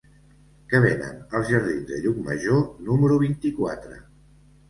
Què venen als jardins de Llucmajor número vint-i-quatre?